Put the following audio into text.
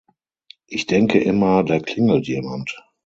Ich denke immer, da klingelt jemand.